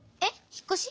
引っこし？